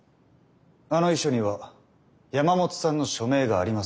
あの遺書には山本さんの署名がありませんでした。